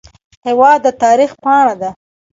هېواد د تاریخ پاڼه ده.